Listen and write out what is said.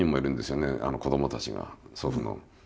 子どもたちが祖父の。